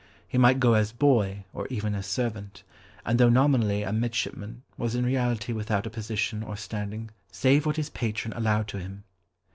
He might go as "boy" or even as servant, and though nominally a midshipman, was in reality without a position or standing save what his patron allowed to him.